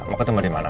mau ketemu di mana